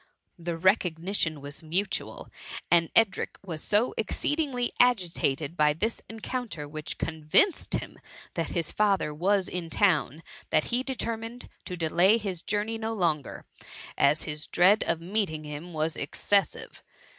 The recog nition was mutual, and Edric was so exceed ingly agitated by this encounter, which con vinced him that his father was in town, that he determined to delay his journey no longer, as his dread of meeting him was excessive.